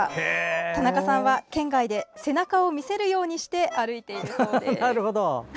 田中さんは県外で背中を見せるようにして歩いているそうです。